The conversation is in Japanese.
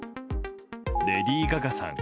レディー・ガガさん。